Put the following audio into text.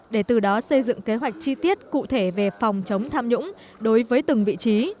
để từ đó xây dựng kế hoạch chi tiết cụ thể về phòng chống tham nhũng đối với từng vị trí